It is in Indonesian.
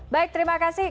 baik terima kasih